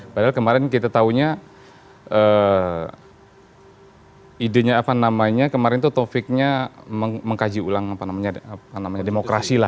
padahal kemarin kita tahunya idenya apa namanya kemarin itu topiknya mengkaji ulang demokrasi lah